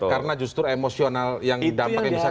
karena justru emosional yang dampak yang bisa jadi